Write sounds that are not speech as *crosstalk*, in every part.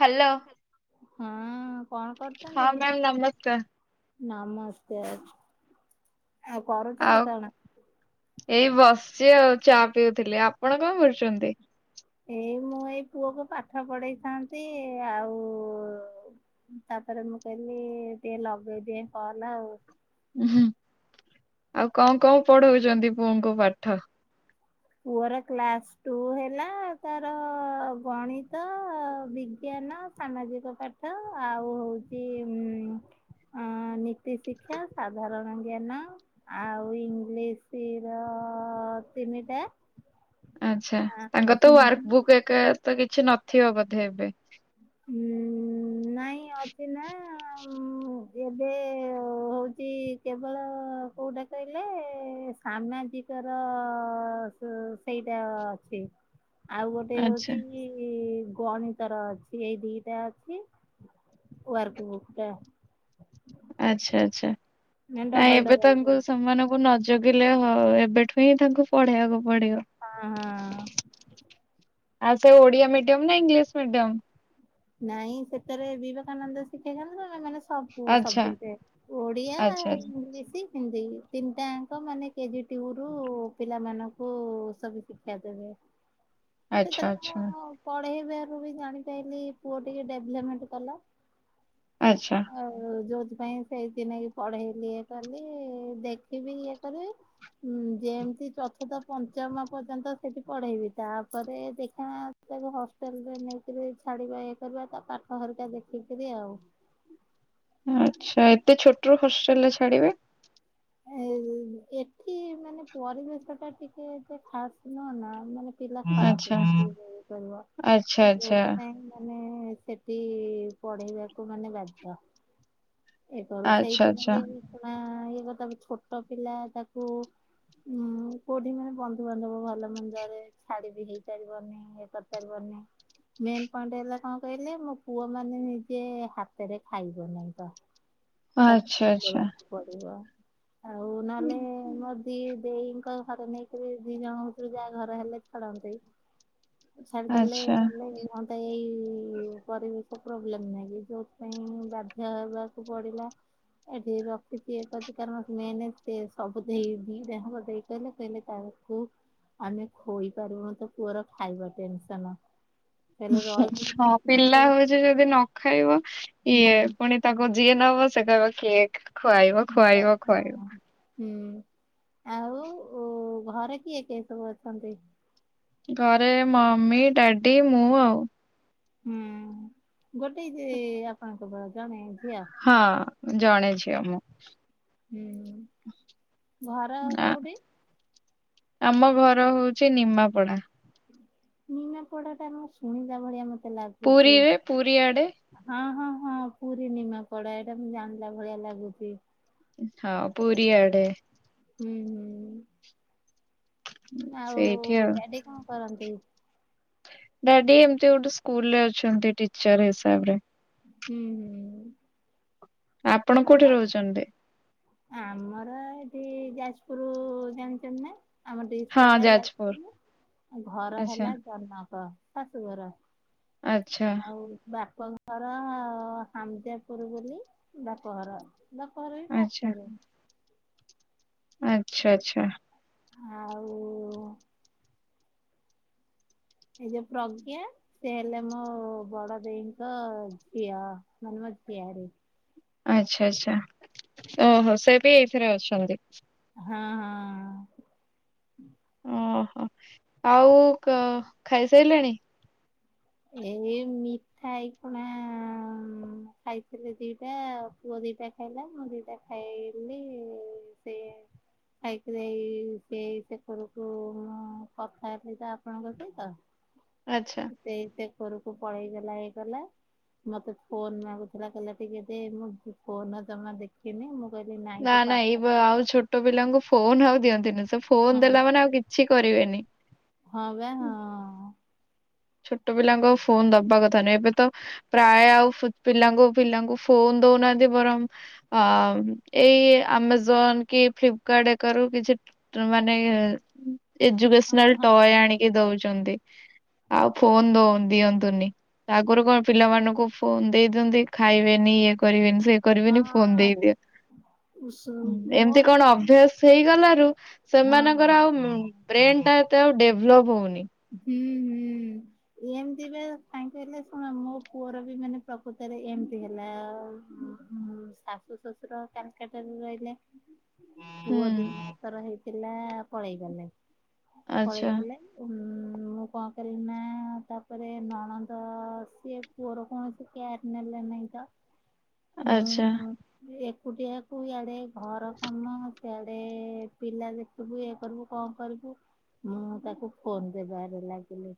Hello. ହଁ କଣ ହଁ କରୁଛନ୍ତି। ମ୍ୟାମ୍ ନମସ୍କାର। ନମସ୍ତେ ଅ ଆଉ ଆଉ କରୁଛନ୍ତି କଣ। ଏଇ ବସିଚ ଆଉ ଚା ପିଉଥିଲି ଆପଣ କଣ କରୁଛନ୍ତି। ଏଇ ମୁଁ ଏଇ ପୁଅକୁ ପାଠ ପଢେଇଥାନ୍ତି ଆଉ। ତାପରେ ମୁଁ କହିଲି ଟିକେ ଲଗେଇ ଟିଏ କନ ଆଉ। ଉ ଆଉ କଣ କଣ ପଢଉଛନ୍ତି ପୁଅଙ୍କୁ ପାଠ। ପୁଅର କ୍ଲାସ ଟୁ ହେଲା ତାର ଗଣିତ ବିଜ୍ଞାନ ସାମାଜିକ ପାଠ ଆଉ ହଉଚି ଉଁ ଆଁ ନୀତିଶିକ୍ଷା, ସାଧାରଣ ଜ୍ଞାନ ଆଉ ଇଂଲିଶ ର ତିନିଟା ଆଛା ତାଙ୍କର ତ ହିନ୍ଦୀ ୱାର୍କ ବୁକ୍ ଏକା ତ କିଛି ନଥିବ ବୋଧେ ଏବେ। ହୁଁ ଉଁ ନାଇଁ ଅ ଅଛି ନାଁ ମୁଁ ଏବେ ହଉଛି କେବଳ କୋଉଟା କହିଲେ ସାମାଜିକ ର ସ ସେଇଟା ଅଛି। ଆଉ ଗୋଟେ ଆଚ୍ଛା ହଉଛି ଗଣିତ ର ଅଛି। ଏଇ ଦିଟା ଅଛି ୱାର୍କଵୁକ୍ ଟା। ଆଚ୍ଛା ଆଚ୍ଛା ମାନେ ନାଇଁ ଡବଲ ଏବେ ଡବଲ କୁ ତାଙ୍କୁ ସମାନ ନଜଗିଲେ ହଉ ଏବେଠୁ ହିଁ ତାଙ୍କୁ ପଢେଇବାକୁ ପଡିବ। ହଁ ହଁ ଆଉ ସେ ଓଡିଆ ମିଡିୟମ ନା ଇଂଲିଶ ମିଡିୟମ ନାଇଁ ସେଥିରେ ବିବେକାନନ୍ଦ ଶିକ୍ଷାକେନ୍ଦ୍ର ନାଁ ମାନେ ସବୁ ଆଚ୍ଛା ସବଜେକ୍ଟ ଓଡିଆ ଆଚ୍ଛା ଇଂଲିଶ ହିନ୍ଦୀ, ତିନିଟାଙ୍କ ମାନେ କେଜି ଟିଉ ରୁ ପିଲାମାନଙ୍କୁ ସବୁ ଶିକ୍ଷା ଦେବେ। ଆଚ୍ଛା ସେଥିରେ ମୁଁ ଆଚ୍ଛା। ପଢେଇବାରୁ ବି ଜାଣିପାଇଲି ପୁଅ ଟିକେ ଡେଭଲପମେଣ୍ଟ କଲା। ଆଚ୍ଛା ଆଉ ଯୋଉଥିପାଇଁ ସେଇଥିିନାଗି ପଢେଇଲି ଇଏ କଲି ଦେଖିବି ଇଏ କରିବି। ହୁଁ ଯେମତି ଚତୁର୍ଥ ପଞ୍ଚମ ପର୍ଯ୍ୟନ୍ତ ସେଠି ପଢେଇବି ତା ପରେ ଦେଖଣା ତାକୁ ହଷ୍ଟେଲ ରେ ନେଇକିରି ଛାଡିବା ଇଏ କରିବା ତା ପାଠ ହରିକା ଦେଖିକିରି ଆଉ। ଆଚ୍ଛା ଏତେ ଛୋଟରୁ ହଷ୍ଟେଲ ରେ ଛାଡିବେ? ଏଁ ଏଠି ମାନେ ପରିବେଶ ଟା ଟିକେ ଏତେ ଖାସ ନୁହଁ ନା ମାନେ ପିଲା ଖରାପ ଆଚ୍ଛା ହେଇଛି କରିବ ଆଚ୍ଛା ଆଚ୍ଛା। ଯୋଉଥିପାଇଁ ମାନେ ସେ ଠି ପଢେଇବାକୁ ମାନେ ବାଧ୍ୟ। ଏକର ଆଚ୍ଛା ଆଚ୍ଛା ସେଇଥିିନାଗି ଏଇଖୁଣା ଇଏ କଣ ତାପରେ ଛୋଟ ପିଲା ତାକୁ ହୁଁ କୋଠି ମାନେ ବନ୍ଧୁବାନ୍ଧବ ଭଲମନ୍ଦରେ ଛାଡି ବି ହେଇ ପାରିବନି ଇଏ କରି ପାରିବନି। ମେନ୍ ପଏଣ୍ଟ ହେଲା କଣ କହିଲେ ମୋ ପୁଅ ମାନେ ନିଜେ ହାତରେ ଖାଇବ ନାହିଁ ତ ତାକୁ ଆଚ୍ଛା ଖୋଇ ଦେବାକୁ ପଡିବ ଆଉ ନହେଲେ ମ କି ଦେଇଙ୍କ ଘରେ ନେଇକିରି ଦି ଜଣଙ୍କ ଭିତରୁ ଯାହା ଘରେ ହେଲେ ଛାଡନ୍ତେ। ଛାଡ଼ି ଆଚ୍ଛା ଦେଲେ ଆଚ୍ଛା କଲେ ଇଏ ହୁନ୍ତା। ଏଇ ପରିବେଶ ପ୍ରୋବ୍ଲେମ ନାହିଁ କି ଯୋଉଥିପାଇଁ ବାଧ୍ୟ ହେବାକୁ ପଡିଲା। ଏଠି ରଖିଛି ଏ କରିଛି କାରଣ ମେନ୍‌ ସେ ସବୁ ଦେଇ ଦିଇଟା ଯାକ ଦେଇ କହିଲେ କହିଲେ ତାର ପୁଅ କୁ ଆମେ ଖୋଇପାରୁନୁ ତୋ ପୁଅର ଖାଇବା ଟେନସନ। କହିଲେ ରହିଯିବୁ ହଁ ପିଲା ହଉଛେ ଯଦି ନ ଖାଇବ ଇଏ ପୁଣି ତାକୁ ଯିଏ ନବ ସେ କହିବ କେକ୍ ଖୁଆଇବ, ମୁଁ ବା ଖୁଆଇବ, ଖୁଆଇବ, ହଁ। ହୁଁ ଆଉ ଘରେ କିଏ କିଏ ସବୁ ଅଛନ୍ତି। ଘରେ ମମି ଡାଡି ମୁଁ ଆଉ ହୁଁ ଗୋଟେ ଯେ ଆପଣଙ୍କ ଜଣେ ଝିଅ। ହଁ ଜଣେ ଝିଅ ମୁଁ ହୁଁ ଘର ନାଁ କୋଉଠି? ଆମ ଘର ହଉଛି ନିମାପଡା। ନିନା ପଡାଟା ଆମ ଶୁଣିଲା ଭଳିଆ ମତେ ଲାଗୁ ପୁରୀରେ ପୁରୀଆଡ଼େ ହଁ ହଁ ହଁ ପୁରୀ ନିମାପଡା ଏଇଟା ମୁ ଜାଣିଲା ଭଳିଆ ଲାଗୁଛି। ହଁ ପୁରିଆଡେ ହୁଁ ହୁଁ। ଆଉ ସେଇଠି ଆଉ ଡାଡି କଣକରନ୍ତି? ଡାଡି ଏମିତି ଗୋଟେ ସ୍କୁଲ ରେ ଅଛନ୍ତି ଟିଚର ହିସାବରେ। ହୁଁ ହୁଁ। ଆପଣ ଆମ କୋଉଠି ରହୁଛନ୍ତି? ଆମର ଏଠି ଯାଜପୁର ଜାଣିଛନ୍ତି ନା। ଆମ ଡିଷ୍ଟ୍ ହଁ ହେଲା ଯାଜପୁର ଯାଯପୁରୁ ଆଉ ଘର ଆଚ୍ଛା ହେଲା ଜନକ। ଶାଶୁଘର ଆଚ୍ଛା ଆଉ ବାପଘ। ଘର ସାମଜ୍ଯାପୁରୁ ବୋଲି ବାପଘର, ବାପଘର ବି ଫେକ୍। ଆଚଛା ଆଚ୍ଛା। ଆଉ ଏଇ ଯୋ ପ୍ରଜ୍ଞା ସେ ହେଲେ ମୋ ବଡଦେଇଙ୍କ ଝିଅ ମାନେ ମୋ ଝିଆରି। ଆଚ୍ଛା ଆଛା ଓହୋ ସେ ବି ଏଇଥିରେ ଅଛନ୍ତି। ହଁ ହଁ। ଓହୋ ଆଉ ଖାଇସାରିଲାଣି? ଏଇ ମିଠା ଏଇକଣା ଖାଇଥିଲେ ଦିଟା ଆ ପୁଅ ଦିଟା ଖାଇଲା ମୁଁ ଦିଟା ଖାଇଲି ସେ ଖାଇକି ଦେଇ ସେଇ ସେକରକୁ ମୁଁ କଥା ହେ ଆପଣଙ୍କ ସହିତ ଆଚ୍ଛା ସେଇତେ ଏକରକୁ ପଳେଇଗଲା ହେଇକଲା। ମତେ ଫୋନ୍‌ ମାଗୁଥିଲା କହିଲେ ଟିକେ ଦେ ମୁଁ ଫୋନ ଜମା ଦେଖ ଖିନି ମୁଁ କହିଲି ନାଇଁ ନା ତୁ ନା ଏଇ ପାଠ ପ ବ ଆଉ ଛୋଟ ପିଲାଙ୍କୁ ଫୋନ ଆଉ ଦିଅନ୍ତୁନି ସେ ଫୋନ ହଁ ଦେଲା ବା ମାନେ ଆଉ କିଛି କରିବେନି। ହଁ ବା ହଁ। ଛୋଟ ପିଲାଙ୍କୁ ଆଉ ଫୋନ୍‌ ଦବା କଥା ନହିଁ ଏବେ ତ ପ୍ରାୟ ଆଉ ପିଲାଙ୍କୁ ପିଲାଙ୍କୁ ଫୋନ ଦଉନାହାନ୍ତି ବରଂ ହଁ ଏଇ ଆମଜନ କି ଫ୍ଲିପକାର୍ଟ ଏକାରୁ କିଛି ମାନେ ଏଜୁକସନାଲ ହଁ ଟୟ ଆଣିକି ଦଉଛନ୍ତି। ଆଉ ଫୋନ ଦଉ ଦିଅନ୍ତୁନି। ଆଗରୁ କଣ ପିଲାମାନଙ୍କୁ ଫୋନ୍ ଦେଇ ଦିଅନ୍ତି। ଖାଇବେନି ଇଏ କରିବେନି ସି କରିବେନି ଫୋନ ହଁ ହଁ ଦେଇଦିଅନ୍ତି। ଏମିତି ମୋର ତ କଣ ମାନେ ଅଭ୍ୟାସ ହେଇଗଲାରୁ। ହଁ। ସେମାନଙ୍କର ଆଉ ବ୍ରେନ ଟା ଏତେ ଆଉ ଡେଭଲପ ହଉନି। ହୁଁ ହୁଁ। ଏମିତି ପା କାହିଁକି ହେଲେ ଶୁଣ। ମୋ ପୁଅର ବି ମାନେ ପ୍ରକୃତରେ ଏମତି ହେଲା ଆ। ହୁଁ। ଶାଶୁ ଶ୍ୱଶୁର କାଲକାଟାରେ ରହିଲେ। ହୁଁ ପୁଅ ଦିନକର ହେଇଥିଲା ପଳେଇ ଗଲେ। ଆଚ୍ଛା ପଳେଇଗଲେ ମୁଁ କଣ କରିବିନା ତାପରେ ନଣନ୍ଦ ସିଏ ପୁଅର କୌଣସି କେୟାର ନେଲେ ନାଇଁ ତ। ଆଚ୍ଛା ମୁଁ ଏକୁଟିଆକୁ ୟାଡେ ଘର କାମ ସେଆଡେ ପିଲା ଦେ ସବୁ ଇଏ କରିବୁ କଣ କରିବୁ। ମୁଁ ତାକୁ ଫୋନ କରିବି ଆରେ ଲାଗିଲେ।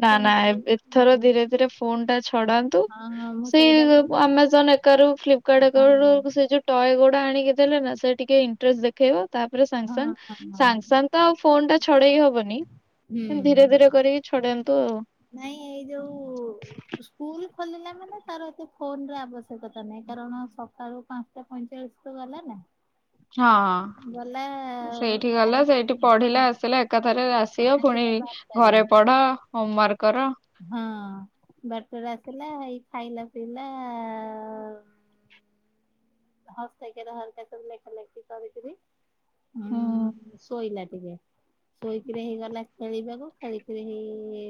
ନା ନା ଏଥର ଧୀରେ ଧୀରେ ଫୋନ ଟା ଛଡାନ୍ତୁ ହଁ ହଁ ମୁଁ ସେଇଟା ସେଇ ବା ଆମାଜନ କାରୁ ଫ୍ଲିପକାର୍ଟ ହଁ ଆରୁ ହଁ ସେ ଯୋଉ ଟୟ ଗୁଡା ଆଣିକି ଦେଲେ ନା ସେ ଟିକେ ଇଣ୍ଟରେଷ୍ଟ ଦେଖେଇବ। ତାପରେ ହଁ ସାଙ୍ଗସାଙ୍ଗ ହଁ ସାଙ୍ଗସାଙ୍ଗ ତ ଆଉ ଫୋନ ଟା ଛଡେଇ ହବନି। ହୁଁ ଧୀରେ ଧୀରେ କରିକି ଛଡାନ୍ତୁ। ଆଉ ନାଇଁ ଏଇ ଯୋଉ ସ୍କୁଲ ଖୋଲିଲା ମାନେ ତାର ଏତେ ଫୋନ ଆବଶ୍ୟକତା ନାହିଁ କାରଣ ସକାଳୁ ପା ପାଞ୍ଚ ଟା ପଇଁଚାଳିଶି ରୁ ଗଲା ନା। ହଁ ଗଲା ହଁ ସେଇଠି ଆଉ ଗଲା ସେଇଠି ପଢିଲା ହଁ ଆସିଲା ଏକାଥରେ ଆସିବ ପୁଣି ଆସିଲା ବାରଟାରେ ଘରେ ପଢ ହୋମ ୱାର୍କ କର। ହଁ ବାଟରେ ଆସିଲା ହେଇ ଖାଇଲା ପିଇଲା ହସେଇ କାର ହେରିକା ସବୁ ଲେଖା ଲେଖି କରୁଥିଲି ହୁଁ ଉଁ ଶୋଇଲା ଟିକେ। ଶୋଇକେରି ହେଇଗଲା ଖେଳିବାକୁ ଖେଳିଖେଳି ହେଇ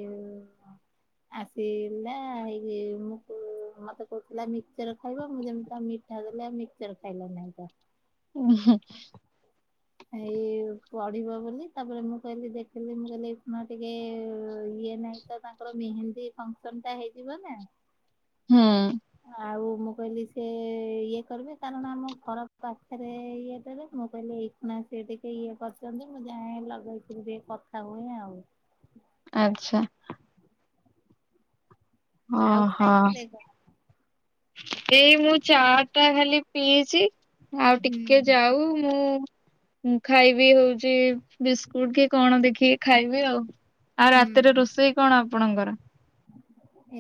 ଆସିଲା ହେଇ ମତେ ମତେ କହୁଥିଲା ମିକଚର ଖାଇବ ମୁଁ ଯେମିତି ତା ମିଠା ଦେଲେ ଆଉ ମିକଚର ଖାଇଲା ନାହିଁ ତ। *unintelligible* ଏଇ ପଢିବ ବୋଲି ତାପରେ ମୁଁ କହିଲି ଦେଖିଲି ମୁଁ କହିଲି ଏଇ କ୍ଷୀଣା ଟିକେ ଇଏ ନାହିଁ ତ ତାଙ୍କର ମେହେନ୍ଦୀ ଫଙ୍କସନ ଟା ହେଇଯିବ ନା। ହୁଁ। ଆଉ ମୁଁ କହିଲି ସିଏ ଇଏ କରିବେ କାରଣ ଆମ ଖରାପ୍ ଭାଶାରେ ଇଏ କରିବେ। ମୁଁ କହିଲି ଏଇକୁଣା ସିଏ ଟିକେ ଇଏ କରିଛନ୍ତି ମୁଁ ଯାଏ ଲଗେଇକି ଟିକେ କଥା ହୁଏ ଆଉ। ଆଚ୍ଛା। ଅ ଆଉ ହ। ଖାଇଥିଲେ କଣ? ଏଇ ମୁଁ ଚାଟା ଖାଲି ପିଇଛି। ମୁଁ ଆଉ ଟିକେ ହୁଁ ଯାଉ ମୁଁ ମୁଁ ଖାଇବି ହଉଛି ବିସ୍କୁଟ କି କଣ ଦେଖିକି ଖାଇବି ଆଉ। ଆଉ ରାତିରେ ହୁଁ ରୋଷେଇ କଣ ଆପଣଙ୍କର।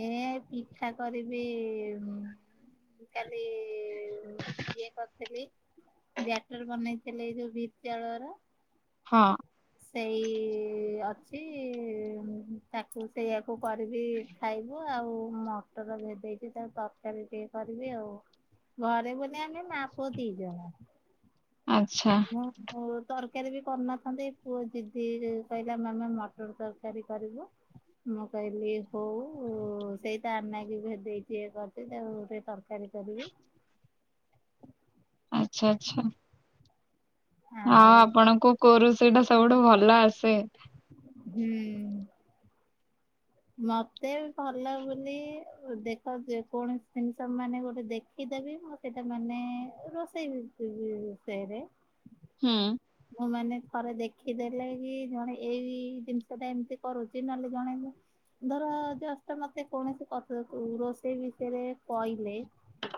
ଏ ପିଠା କରିବି। ମୁଁ କାଲି ଇଏ କରିଥିଲି। ବ୍ୟାଟର ବନେଇଥିଲି ଏଇ ଯୋଉ ବିଦ୍ୟା ଲୟର। ହଁ। ସେଇ ଅଛି ତାକୁ ସେଇଆକୁ କରିବି ଖାଇବୁ ଆଉ ମଟର ଭେଦେଇଛି ତାର ତରକାରୀ ଟିକେ କରିବି ଆଉ। ଘରେ ବୋଲି ଆମେ ମା ପୁଅ ଦି ଟା। ଆଚ୍ଛା। ହଉ ତରକାରୀ ବି କରିନଥାନ୍ତି। ପୁଅ ଜିଦି କରିଲା ମାମା ମଟର ତରକାରୀ କରିବୁ। ମୁଁ କହିଲି ହଉ ସେଇ ତାରି ଲାଗି ଭେଦେଇଦିଏ ତାକୁ *unintelligible* ଗୋଟେ ତରକାରୀ। ତରକାରୀ କରିବି। ଆଛା ଆଛା। ଆ ଆଉ ଆପଣଙ୍କୁ କୋଉ ରୋଷେଇ ଟା ସବୁଠୁ ଭଲ ଆସେ। ଭେ ମତେ ଭଲ ବୋଲି ଦେଖ ଯେ କୌଣସି ଜିନିଷ ମାନେ ଗୋଟେ ଦେଖି ଶିଖିଦେବି ମୁଁ ସେଇଟା ମାନେ ରୋଷେଇ। *unintelligible* ହୁଁ। ମୁଁ ମାନେ ଥରେ ଦେଖିଦେଲେ କି ଜଣେ ଏଇ ଜିନିଷ ଟା ଏମିତି କରୁଚି ନହେଲେ ଜଣେ ମୁ ଧର ଜଷ୍ଟ୍ ମତେ କୌଣସି *unintelligible* ରୋଷେଇ ବିଷୟରେ କହିଲେ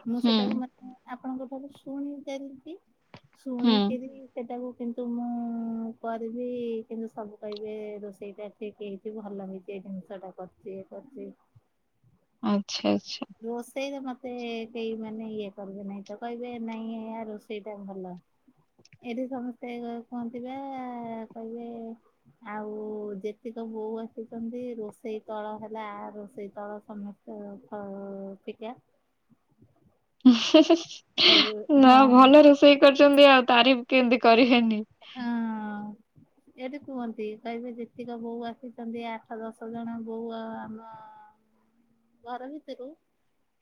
ମୁଁ ହୁଁ ସେଟାକୁ ମାନେ ଆପଣଙ୍କ ଠାରୁ ଶୁଣିଦେବି ହୁଁ ଶୁଣିକିରି ସେଟାକୁ କିନ୍ତୁ ମୁଁ କରିବି କିନ୍ତୁ ସବୁ କହିବେ ରୋଷେଇଟା ଠିକ୍ ହେଇଚି। *unintelligible* ଭଲ ହେଇଚି ଏଇ ଜିନିଷ ଟା କରିଚି ଏ କରଚି। ଆଚ୍ଛା ଆଚ୍ଛା। ରୋଷେଇ ରେ ମତେ କେହି ମାନେ ଇଏ କରିବେ ନାହିଁ ତ କହିବେ ନାଇଁ ଇଆ ରୋଷେଇ ଟା ଭଲ। ଏଇଠୁ ସମସ୍ତେ କୁହନ୍ତି ବା କହିବେ ଆଉ ଯେତିକ ବୋଉ ଆସିଚନ୍ତି ରୋଷେଇ ତଳ ହେଲା ରୋଷେଇ ତଳ ସମସ୍ତେ ଉଁ -ଫ- ଫିକା। କହିବେ ନା ହଁ ଭଲ ରୋଷେଇ କରିଚନ୍ତି ଆଉ ତାରିଫ୍ କେମିତି କରିିବେନି। ହଁ। ଏଇଠି କୁହନ୍ତି କହିବେ ଯେତିକ ବୋଉ ଆସିଚନ୍ତି ଆଠ ଦଶ ଜଣ ବୋଉ ଆମ ଘର ଭିତୁରୁ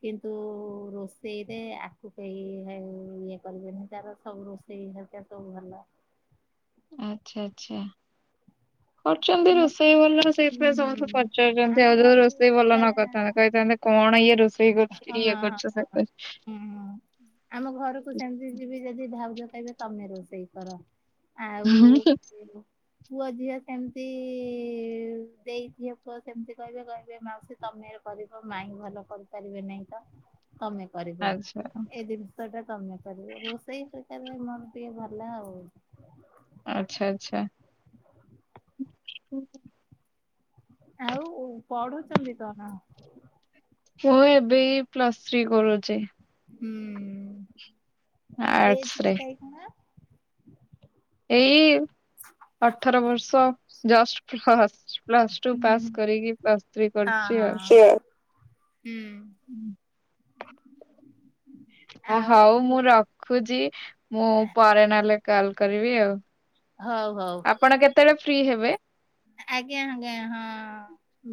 କିନ୍ତୁ ରୋଷେଇରେ ଆକୁ କେହି ଇଏ କରିବେନି ତାର ସବୁ ରୋଷେଇ ସେଇ *unintelligible* ସବୁ ଭଲ। ଆଚ୍ଛା- ଆଚ୍ଛା। କରୁଚନ୍ତି ଆମ ରୋଷେଇ ଭଲ ସେଇଥିପାଇଁ ହୁଁ ସମସ୍ତେ ଆମ ପଚାରୁଚନ୍ତି ଆଉ ଯଉ ଘରକୁ ରୋଷେଇ ଭଲ ନ କରିଥାନ୍ତେ କହିଥାନ୍ତେ କଣ ଇଏ ରୋଷେଇ କରୁଚି ହଁ ହଁ ଇଏ ହଁ କରୁଚ *unintelligible* ହୁଁ ଆମ ଘରକୁ ସେମିତି ଯିବି ଯଦି ଭାଉଜ କହିବେ ତମେ ରୋଷେଇ କର। ଆଉ କରୁଛୁ ପୁଅ ଝିଅ ସେମିତି ଦେଇ ଝିଅ ପୁଅ ସେମିତି କହିବେ -କହିବେ ମାଉସୀ ତମେ କରିବ ମାଇଁ ଭଲ କରିପାରିବେ ନାଇଁ ତ ତମେ କରିବ ଆଚ୍ଛା ଏ *unintelligible* *unintelligible* କରିବ ରୋଷେଇ ପ୍ରକାର ମୋର ଟିକେ ଭଲ ଆଉ। ଆଛା ଆଚ୍ଛା। ଆଉ ଉ- ପଢୁଚନ୍ତି କଣ ‌? ମୁଁ ଏବେ ଏଇ ପ୍ଲସ୍ ଥ୍ରୀ କରୁଚି। ଆର୍ଟସ ରେ ହୁଁ। ଏଇ ଅଠର ବର୍ଷ। ଜଷ୍ଟ୍ ପ୍ଲସ୍- ପ୍ଲସ୍ ଟୁ ହୁଁ ପାସ୍ ହୁଁ। କରିକି ପ୍ଲସ୍ ଥ୍ରୀ ହଁ କରୁଚି ହଁ ଆଉ। ହୁଁ। ହଁ- ଆଉ ହଉ ମୁଁ ରଖୁଚି। ମୁଁ ପରେ ନହେଲେ କଲ୍ କରିବି ଆଉ। ହଉ ହଉ। ଆପଣ କେତେବେଳେ ଫ୍ରି ହେବେ? ଆଜ୍ଞା ଆଜ୍ଞା ହଁ।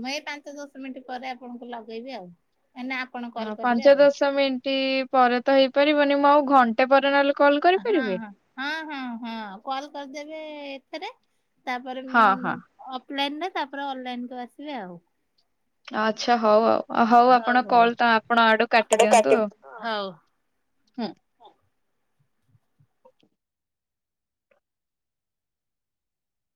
ମୁଁ ଏଇ ପାଞ୍ଚ ଦଶ ମିନିଟ୍ ପରେ ଆପଣଙ୍କୁ ଲଗେଇବି ଆଉ କାଇଁନା ଆ ହଁ ପାଞ୍ଚ ଦଶ ମିନିଟ୍ ପରେ ତ ହେଇପାରିବନି ମୁଁ ଆଉ ଘଣ୍ଟେ ପରେ ନହେଲେ କଲ୍ ହଁ କରିପାରିବି? ହଁ। ହଁ- ହଁ- ହଁ କଲ୍ କରିଦେବେ ଏତେରେ ତାପରେ ହଁ ହଁ ଉଁ ଅଫଲାଇନ୍ ରେ ତାପରେ ଅନଲାଇନ୍ କୁ ଆସିବେ ଆଉ। ଆଚ୍ଛା ହଉ ଆଉ ହଉ ଆପଣ କଲ୍ ଟା ଆପଣ ଆଡୁ କାଟିଦିଅନ୍ତୁ ଆଉ। ହଉ ହୁଁ।